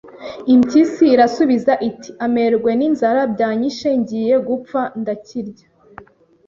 Impyisi irasubiza iti amerwe n'inzara byanyishe, ngiye gupfa ndakilya